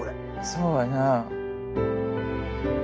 そうやなあ。